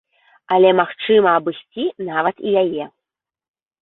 Але магчыма абысці нават і яе.